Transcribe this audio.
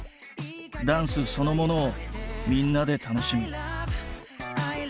ダンスそのものをみんなで楽しむ。